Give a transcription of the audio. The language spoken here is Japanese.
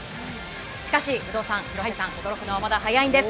しかし、有働さん、廣瀬さん驚くのはまだ早いんです。